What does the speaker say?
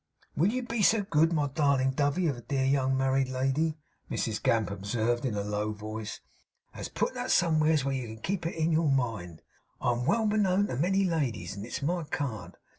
'Would you be so good, my darling dovey of a dear young married lady,' Mrs Gamp observed, in a low voice, 'as put that somewheres where you can keep it in your mind? I'm well beknown to many ladies, and it's my card.